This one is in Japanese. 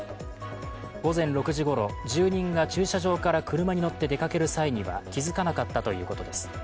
午前６時ごろ、住人が駐車場から車に乗って出かける際には気付かなかったということです。